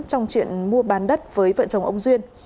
trong chuyện mua bán đất với vợ chồng ông duyên